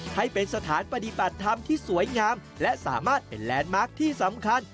ให้เป็นสถานปฏิบัติธรรมที่สวยงามและสามารถเป็นแลนด์มาร์คที่สำคัญ